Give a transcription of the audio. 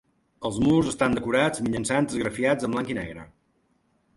Els murs estan decorats mitjançant esgrafiats en blanc i negre.